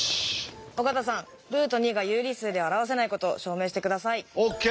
尾形さんルート２が有理数では表せないことを証明して下さい。ＯＫ！